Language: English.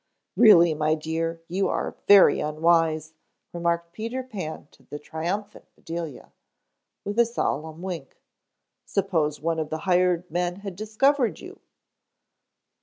"Really, my dear, you are very unwise," remarked Peter Pan to the triumphant Bedelia, with a solemn wink. "Suppose one of the hired men had discovered you?"